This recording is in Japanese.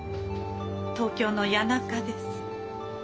東京の谷中です。